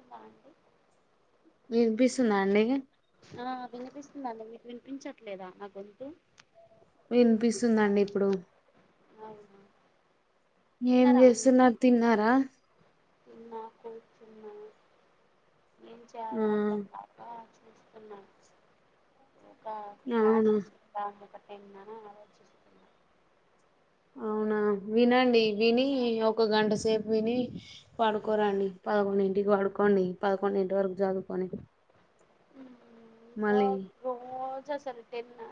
వినిపిస్తుందా వినిపిస్తుందా అండి అండి ఆ వినిపిస్తుందండి మీకు వినిపించట్లేదా నా గొంతు కనిపిస్తుందండి ఇప్పుడు అవునా ఏం తిన్నారా అండి చేస్తున్నరు తిన్నారా తిన్నా కూర్ర్చున్నా ఏం ఆ చేయలో అర్ధం కాకా ఇస్తున్నా ఒక క్లాస్ అవునా ఇస్తుంటాన్నమాట నే న్నాల ఆలోచిస్తున్న అవునా వినండి విని ఒక గంట సేపు విని పడుకోరండి పదకొండి ఇంటికి వాడు పడుకోండి పదకొండి ఇంటి వరకు చదువుకొని మళ్ళీ అబ్బో బోజెసా టెన్ ఆ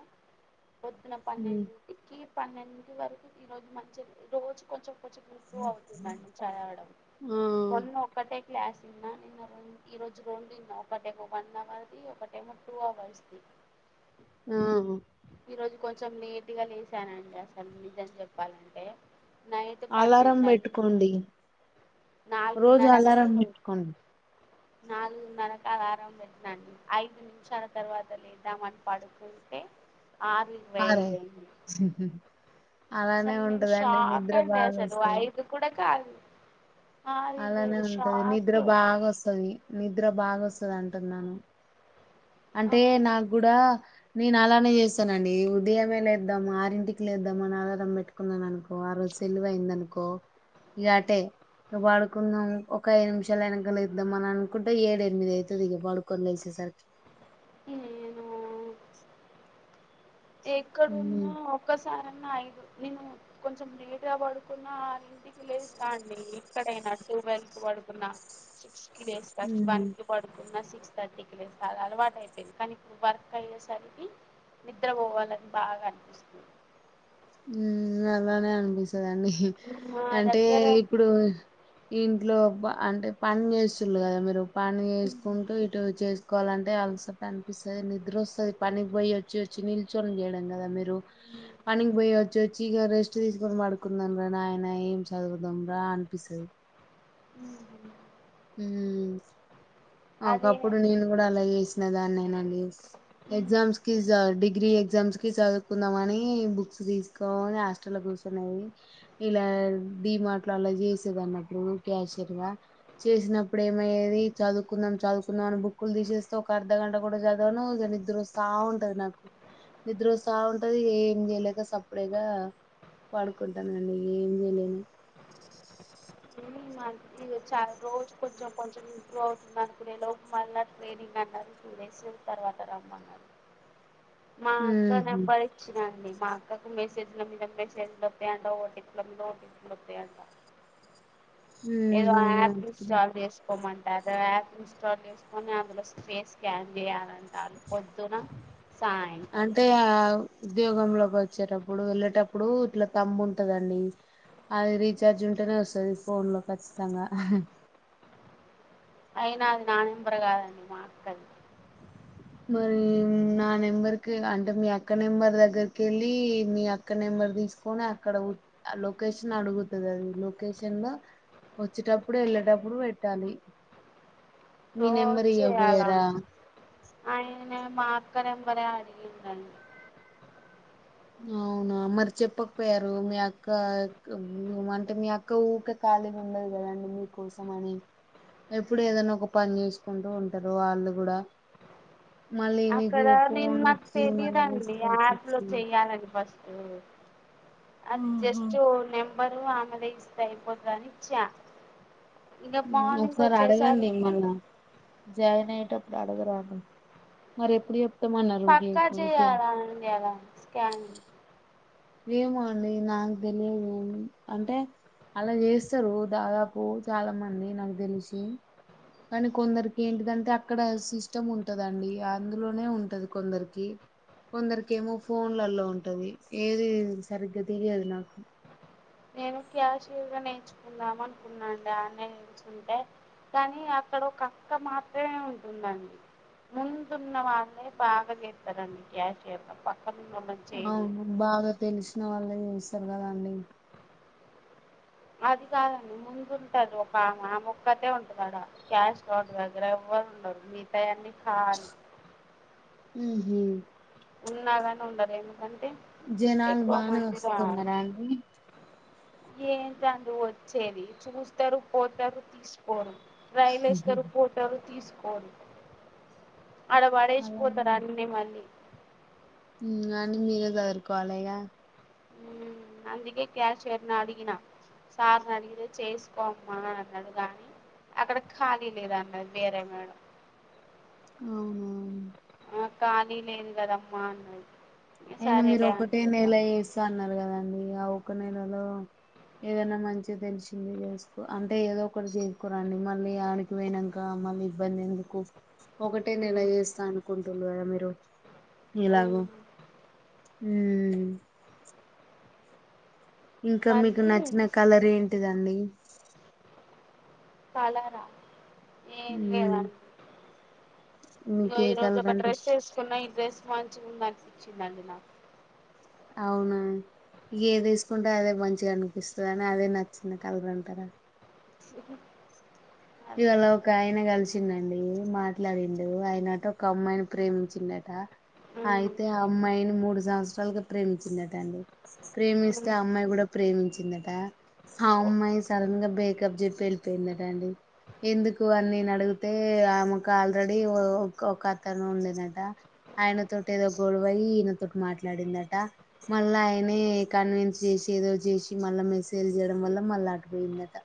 పొద్దున ఉమ్, పన్నెండిటికి పన్నెండు వరకు ఈ రోజు మంచిది ఈ రోజు కొంచెం కొంచెం ఇంప్రూవ్ అవుతుందండి చదవడం ఆ మొన్న ఒక్కటే క్లాస్ ఇన్నా నిన్న రెండ్ ఈరోజు రౌండ్ ఇన్నా ఒకటే వన్ అవర్ది ఒక టేమో టు అవర్స్ది ఆ ఈ రోజు కొంచెం లేట్ గా లేసానండి అసలు నిజం చెప్పాలంటే నైటు అలారం పన్నెండు అయ్యింది. పెట్టుకోండి రోజు అలారం పెట్టుకోండి. నాలుగున్నరకు అలారం పెట్నా అండి ఐదు నిమిషాల తర్వాత లేద్దాం అని పడుకుంటే ఆరు అరే ఇరవైదు అలానే అసలు నేను ఉంటదండి షాక్ నిద్ర అండి బాగా అసలు వస్తది అయిదు కూడా కాదు. ఆరు ఇరవై అలానే ఐదు ఉంటది నిద్ర షాక్ బాగా వస్తది నిద్ర బాగా వస్తది అంటున్నాను. అంటే నాకు కూడా నేను ఆలానే చేస్తానండి ఉదయమే లేద్దాము ఆరింటికి లేద్దాము అని ఆలారం పెట్టుకున్నాను అనుకో ఆ రోజు సెలువ అయిందనుకో ఇగ అటే ఇగ వడుకుందం ఒక ఐదు నిమిషాలు అయినంక లేద్దాము అని అనుకుంటే ఏడు ఎనిమిది అయితది ఇక పడుకొనీ లేసే ద ఏను హ్మ్. ఎక్కడున్నా ఒకసా సారన్న ఐదు నేను కొంచెం లేట్ గా పడుకున్న ఆరు ఇంటికి లేస్తా అండి ఎక్కడైనా ట్వెల్వ్కీ పడుకున్న సిక్స్ కీ లేస్త హ్మ్. వన్ కి పడుకున్న సిక్ సిక్స్ థర్టీ కిలేస్తా అలవాటు అయిపోయింది కానీ ఇప్పుడు వర్క్ అయ్యేసరికి నిద్ర పోవాలని బాగా అనిపిస్తుంది. ఉమ్ అట్లనే అనిపిస్తదండి మా అంటే దగ్గర ఇప్పుడు ఇంట్లో అబ్బా అంటే పని చేస్తుళ్ళు కదా మీరు పని చేసుకుంటూ ఇటు చేస్ తీసుకోవాలంటే అలసట అనిపిస్తది నిద్ర వస్తది పనికి పోయి వచ్చి వచ్చి నిల్చొని చేయడం కదా మీరు రూ పని వచ్చి వచ్చి ఇక రెస్ట్ తీసుకొని పడుకుందామురా నా ఆయన ఏం చదువుదాం రా అనిపిస్తది. ఉహుం వ్మ్ అదే ఒకప్పుడు నేను కూడా అలా చేసిన దాన్నేనండి. ఎగ్జామ్స్ కి జ డిగ్రీ ఎగ్ ఎగ్జామ్స్ కి చదువుకుందాం అని బుక్స్ తీసుకోని హాస్టల్ కూర్చునేది ఇలా డిమార్ట్ లో అలా చేసేది అన్నప్పుడు క్యాషయర్ గా చేసినప్పుడు ఏమయ్యేది చదువుకుందాం చదువుకుందాం అని బుక్కులు తీసేస్తే ఒక అర్ధగంట కూడా చదవను నిద్రస్తా ఉంటది నాకు నిద్ర వస్తా ఉంటది ఇగ ఏం చేయలేక సప్పుడేగా పడుకుంటానండి ఏం చేయలేను. వర్క్ చాలా రోజు కొంచెం కొంచెం ఇంప్రూవ్ అవుతుంది అనుకు లోపు మళ్ళ ట్రైనింగ్ అన్నారు. టూ డేస్ తర్వాత రమ్మన్నారు. మా అక్క ఉహు నెంబర్ ఇచ్చినండి. మా అక్కకు మెసేజ్ల మీద మెసేజ్ లోస్తాయంట ఒటిప్ల మీద ఒటిప్ లు వస్తాయంట ఏదో ఆప్ ఉహు ఇన్స్టాల్ చేస్ కోమంటారు యాప్ ఇన్స్టాల్ చేసుకొని అందులో స్పేస్ స్కాన్ చేయాల అంటే ఆ ఉద్యోగంలో కొ వచ్చేటప్పుడు వెళ్ళేటప్పుడు ఇట్లా తంబ్ ఉంటదండి అది రీచార్జ్ ఉంటేనే వస్తది ఫోన్ లో ఖచ్చితంగా అయినా అది నా నెంబర్ కాదండి మా అక్కది. మరి నా నెంబర్కి అంటే మీ అక్క నెంబర్ దగ్గరకి కెళ్ళి మీ అక్క నెంబర్ అక్కడ తీసుకొని అక్కడ ఉ లొకేషన్ అడుగుతది అది లొకేషన్ ల వచ్చేటప్పుడు వెళ్ళేటప్పుడు పెట్టాలి. మీ రోజు నెంబర్ ఇయక బోయార. మాక్క నెంబరె అడిగిందండి. అవునా మరి చెప్పకపోయారు మీ అక్క క్ అంటే మీ అక్క ఊకె ఖాళీగా ఉండదు కదండి మీ కోసం అని. ఎప్పుడు ఏదనా ఒక పని చేసుకుంటూ ఉంటరు వాళ్ళు కూడా. మళ్ళీ మీకు అక్కడ నేను ఫోన్ నాకు ఇచ్చి మళ్ళ తెలియదండి తీసుకోచి యాప్ లో ఇచ్చి చెయ్యాలని అది జస్ట్ నెంబరు ఆమ అదే ఇస్తె అయిపోతదని ఇచ్చ. ఒకసారి అడగండి మళ్ళ జాయిన్ అయ్యేటప్ మీరడగరాండి మరి ఎప్పుడు ఎప్ పక్క చేయల అండి అలా స్కన్ ఏమో అండి నాకు తెలియదు అన్ అంటే అలా చేస్తారు దాదాపు చాలా మంది నాకు తెలిసి కానీ కొందరికి ఏంటిదంటే అక్కడ సిస్టమ్ ఉంటదండి అందులోనే ఉంటది కొందరికి. కొందరికిమో ఫోన్లలో ఉంటది ఏది సరిగ్గా తెలియదు నాకు. నేను క్యాశ్వల్గ నేర్చుకుందాం అనుకున్నాండి ఆన్లై ఎచుంటే కానీ అక్కడ ఒక అక్క మాత్రమే ఉంటుందండి. ముందున్న వాల్లె బాగ ఏస్తారండి క్యాశ్వల్ గా పక్ అవును బాగా తెలిసిన వాళ్ళే చేస్తారు కదా అండి. అది కాదండి ముందు ఉంటది ఒక ఆమ ఆమొక్కతే ఉంటందడా క్యాష్ కౌంటర్ దగ్గర ఎవరుండరు మీతాయన్ని కాలి ఊహు ఉన్నాగని ఉండలేము అంటే జనాలు ఎక్కువ బానే మంది రారు వస్తున్నారా అండి ఏంటండి వచ్చేది చూస్తారు పోతారు తీసుకోరు. ట్రైలేస్తరు ఫోటోలు తీసుకోరు. ఆడ అలానే పడేసిపోతారు అన్నీ మళ్ళీ. ఊ అని మీరే సదురుకోవాలే గా మ్మ్ అందుకే క్యాషియర్ ని అడిగిన సార్ అడిగితే చేసుకోమ్మా అని అన్నడు గాని అక్కడ ఖాళీ లేదన్నది వేరే మేడం. అవునవును. అక్క నీ లేను కదమ్మా అన్నది "ఇక అయినా మీరు సరేలే ఒకటే అనుకున్నా నెల వేస్త అన్నారు కదండి ఆ ఒక నెలలో ఏదైనా మంచిగా టెన్షన్ చేసుకో అంటే ఏదో ఒకటి చేసుకోరండి మళ్ళీ ఆడికి పోనాక మళ్లీ ఇబ్బంది ఎందుకు ఒకటే నెల మ్మ్ చేస్తా అనుకుంటున్నారు కదా మీరు అవును హ ఇంకా మీకు మళ్ళీ నచ్చిన కలర్ ఏంటిదండి పాలరా ఏం ఉమ్ లేదండి మీకు ఇంగో ఏ ఈ రోజు కలర్ ఒక అంటే డ్రెస్ ఇష్టం వేసుకున్న ఈ డ్రెస్ మంచిగుంది అనిపించిందండి నాకు అవునా ఏది ఏసుకుంటే అదే మంచిగా అనిపిస్తుందని అదే నచ్చిన కలగంటారా [inaudible] ఇవాళ అదే ఒక ఆయన కలిసిన డి మాట్లాడిండు ఆయన ఆట ఒక అమ్మాయిని ప్రేమించిండట అయితే ఉమ్ ఆ అమ్మాయిని మూడు సంవత్సరాలుగా ప్రేమించిందట అండి ప్రేమిస్తే అమ్మాయి కూడా ప్రేమించ దట ఆమ్మాయి సడన్ గా బేకప్ చెప్పి వెళ్ళిపోయిందట అండి ఎందుకు అని నేను అడిగితే ఆమెకు ఆల్రెడీ ఒక అతను ఉండనట ఆయనతోటి ఏదో గొడవయి ఈయనతోటి మాట్లాడిందట మళ్ళా ఆయనే కన్విన్స్ మీసేజ్ ఏదో చేసి మళ్ళా మెసేజలు చేయడం వల్ల మళ్ళీ ఆటపోయిందట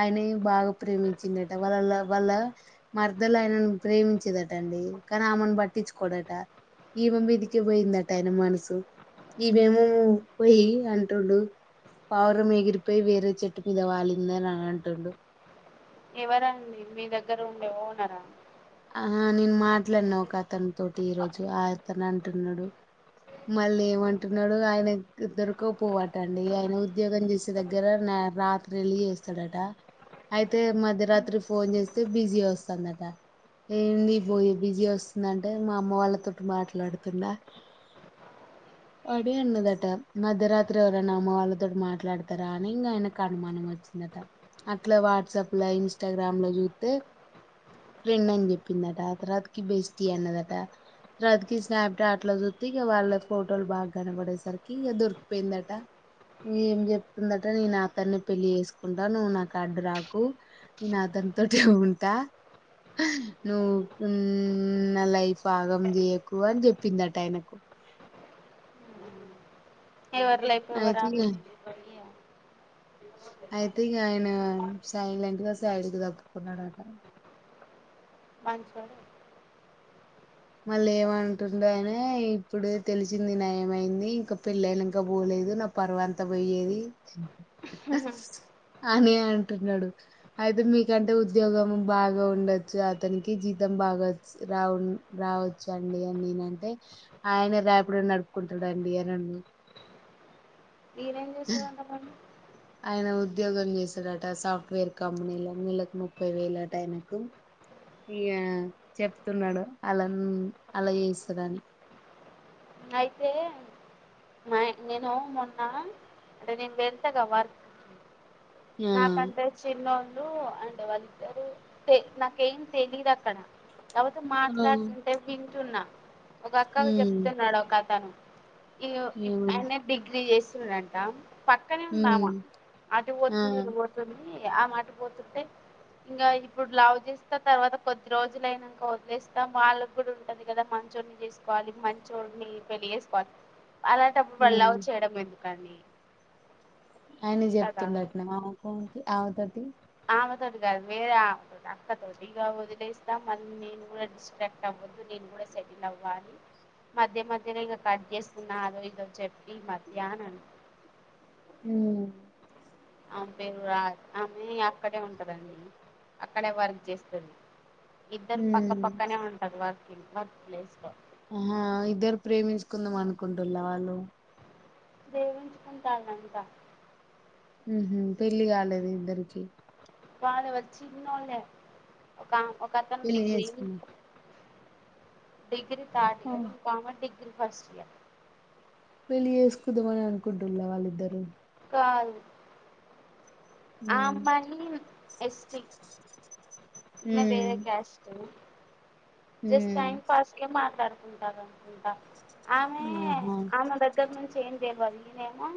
ఆయనే బాగా ప్రేమించిండట వాళ్ వాళ్ళ మరదల్ ఆయనను ప్రేమించేదట అండి కానీ ఆమెను బట్టి ట్టించుకోడట ఈమె మీదికే పోయిందట అయిన మనసు ఇదేమో పోయి అంటుడు పావురం ఎగిరిపోయి వేరే చెట్టు మీద వాలిందని అని అంటుడు ఎవరండి మీ దగ్గర ఉండే ఓనరా ఆహా నేను మాట్లాడినా ఒక అతని తోటి ఈ రోజు అతను అంటున్నాడు మళ్ళీ ఏమంటున్నాడు ఆయన దొరకపోవాటండి ఆయన ఉద్యోగం చేసే దగ్గర రాత్రి వెళ్ళి చేస్తాడట అయితే మధ్యరాత్రి ఫోన్ చేస్తే బిజీ వస్తందట ఏంది బోయి బిజీ వస్తుంద అంటే మా అమ్మ వాళ్ళతో మాట్లాడుతున్న [inaudible] అడే ఉన్నదట మధ్యరాత్రి ఎవరైనా అమ్మ వాళ్ళతోటి మాట్లాడతారా అని ఇంకా ఆయన అనుమానం వచ్చి నట అట్లా వాట్సాప్ లా ఇన్స్టాగ్రామ్ ల చూస్తే ఫ్రెండ్ అని చెప్ప ప్పిందట తర్వాతికి బెష్టి అన్నదట తర్వాతికి స్నాప్ చాట్ లో చూస్తే ఇక వాళ్ళ ఫోటోలు బాగా కనబడేసరికి ఇగ దొరికిపోయిందట ఏం చెప్తుందట నేను అతన్నే పెళ్ళి చేసుకుంటా నువ్వు నాకు అడ్డు రాకు నీ నాత ఎంతోటి ఉంటా నువ్వు నా లైఫ్ ఆగం చేయకు అని చెప్పిందట ఆయనకు ఎవరు లైఫ్ అయితే ఎవరా ఇగ అయితే ఈగాయన సైలెంట్ గా సైడ్కి దప్పుకున్నాడాట మంచోడే మళ్ళ ఏమంటుండు ఆయనే ఇప్పుడు తెలిసింది నయమయింది ఇంకా పెళ్లయినంక పోలే లేదు నా పరువంతా పోయేది హా హా అని అంటున్నాడు అయితే మీకంటే ఉద్యోగం బాగా ఉండొచ్చు అతనికి జీతం బాగ రావుండ్ రావచ్చు అండి అని నేనంటే ఆయన రాపిడో నడుపుకుంటాడండి అను ఈయన ఏం చేస్తాడంట మళ్ళీ ఆయన ఉద్యోగం చేస్తాడట సాఫ్ట్వేర్ కంపెనీలో నెలకు ముప్పై వేలు అట ఆయనకు ఇగా చెప్తున్నాడు అలా అలా చేస్తాడు అని అయితే మాయ్ నేను మొన్నా అంటే నేను చేతగా వర్క్ ఆ నాకంటే చినో లు అంటే వాళ్ళిద్దరు తే నాకేం తెలీదు అక్కడ కాపోతే ఆ మాట్లాడుతుంటే వింటున్నా ఒక అక్కకు ఉమ్ చెప్తున్నాడు ఒక అతను ఇగో ఈ ఏమని ఆయన డిగ్రీ చేస్తుడంట పక్కనే ఉమ్ ఉందామా ఆ అటిక్ నీను పోతుంది ఆమే అటు పోతుంటే ఇంకా ఇప్పుడు లవ్ చేసినా తర్వాత కొద్ది రోజులయినాక వదిలేస్తాము వాళ్ళకు కూడా ఉంటాది కదా మ అర్థం చేసుకోవాలి చేసుకోవాలి మంచోడిని పెళ్లి చేసుకోవాలి అలాంటప్పుడు ఆ మల్ల లవ్ చేయడం ఎందుకని అయని చెప్తుండల్ల ఆ ఆమె తోటి ఆమెతోటి కాదు వేరే ఆమతోటి అక్కతోటి ఇక వదిలేస్తా మళ్ళీ నేను కూడా డిస్ట్రాక్ట్ అవ్వద్దు నే నేను కూడా సెటిల్ అవ్వాలి మధ్య మధ్యలో ఇంక కట్ చేస్తున్నా అదో ఇదో చెప్పి ఈ మధ్య అని అన్ ఉమ్ ఆమె పేరు రా ఆమె అక్కడే ఉంటదండి అక్కడే వర్క్ చేస్తది ఇద్దరు పక్క ఉమ్ పక్కనే ఉంటది వర్కి వర్క్ ప్లేస్ లో ఆహా ఇద్దరు ప్రేమించుకుందాం అనుకుంటుల వాళ్ళు ప్రేమించుకుంటున్నాదంట ఉహూ పెళ్లి కాలేదు ఇద్దరికి వాళ్ళు వచ్చిన్నోలే ఒక ఒక అతను పెళ్లి డిగ్రీ చేసుకున్నా డిగ్రీ థర్డ్ ఇయరు ఇంకో ఆమె డిగ్రీ ఫస్ట్ ఇయర్ పెళ్ళి చేసుకుదామని అనుకుంటులా వాళ్ళిద్దరు కాదు ఆ ఉమ్ అమ్మాయి ఎస్టి ఈయన వేరే ఉమ్ caste just um time pass కే మాట్లాడుకుంటారు అనుకుంటా ఆమె ఆహా ఆమె దగ్గర నుంచి ఏం తెవాలి ఈనేమో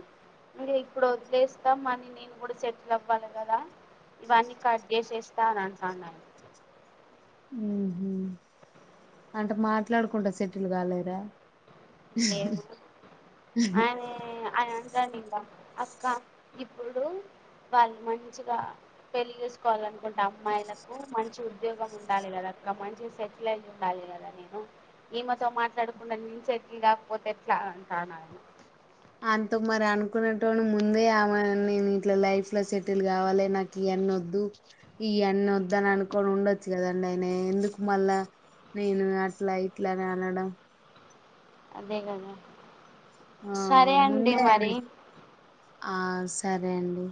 నుడే ఇప్పుడు వదిలేస్తాం అని నేను కూడా సెటిల్ అవ్వాలి కదా ఇవన్నీ కట్చేసేస్తా అని అంటన్నడు ఉహూ అంటే మాట్లాడుకుంటా సెటిల్ కాలేడా ఏమో ఆయనే అయ్ రనింద అక్క ఇప్పుడు వాళ్ళు మంచిగా పెళ్లి చేసుకోవాలనుకుంటే అమ్మాయిలకు మంచి ఉద్యోగం ఉండాలి కదా ఇక మంచిగా సెటిల్ అయి ఉండాలి కదా నేను ఈమెతో మాట్లాడకుండా నించే సెటిల్ కాకపోతే ఎట్లా అంటానడు అంత మరి అనుకున్నటోనీ ముందే ఆమె నేను ఇట్లా లైఫ్ లో సెటిల్ కావాలి నాకి వన్నీ వద్దు ఈ యన్ని వద్దు అని అనుకోని ఉండొచ్చు కదండి ఆయన ఎందుకు మళ్ళా నేను అట్లా ఇట్లా అని అనడం అదే కదా ఆ సరే అండి ముందే ఆయన మరి ఆ సరే అండి